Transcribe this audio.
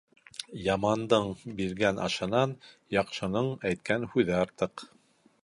Ямандың биргән ашынан яҡшының әйткән һүҙе артыҡ.